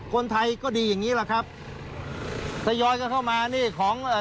คนไทยก็ดีอย่างงี้แหละครับทยอยกันเข้ามานี่ของเอ่อ